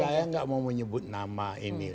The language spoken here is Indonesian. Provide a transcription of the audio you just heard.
saya nggak mau menyebut nama ini